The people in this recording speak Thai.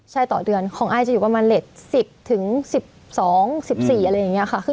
ใช่ต่อเดือนของอายจะอยู่ประมาณเล็ต๑๐๑๒๑๔อะไรอย่างนี้ค่ะ